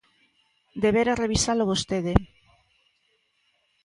Debera revisalo vostede.